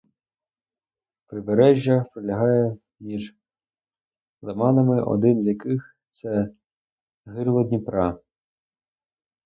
Побережжя пролягає між лиманами, один з яких – це гирло Дніпра